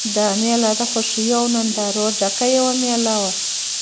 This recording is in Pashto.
دا مېله د خوښیو او نندارو ډکه یوه مېله وه.